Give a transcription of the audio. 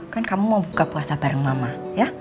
kan kamu mau buka puasa bareng mama ya